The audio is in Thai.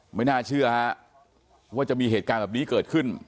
ไม่น่าเชื่อฮะว่าจะมีเหตุการณ์แบบนี้เกิดขึ้น